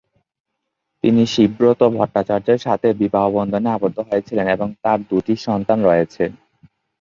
তিনি শিব ব্রত ভট্টাচার্যের সাথে বিবাহবন্ধনে আবদ্ধ হয়েছিলেন এবং তার দুটি সন্তান রয়েছে।